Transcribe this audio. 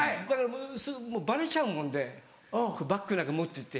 すぐバレちゃうもんでバッグなんか持ってって。